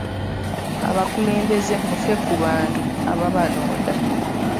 Abakulembeze mufe ku bantu ababalonda.